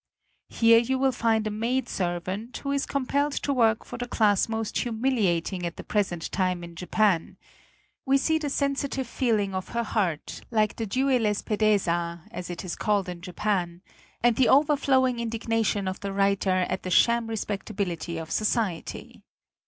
Here you will find a maidservant, who xvii INTRODUCTION is compelled to work for the class most humiliating at the present time in Japan; we see the sensitive feeling of her heart, like the "dewy lespedeza," as it is called in Japan, and the overflow ing indignation of the writer at the sham respectability of society.